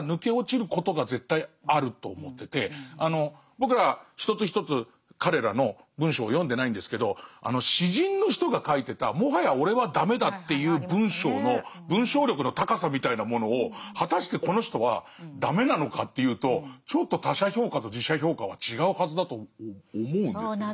僕らは一つ一つ彼らの文章を読んでないんですけどあの詩人の人が書いてた「もはや俺は駄目だ」っていう文章の文章力の高さみたいなものを果たしてこの人は駄目なのかというとちょっと他者評価と自者評価は違うはずだと思うんですけど。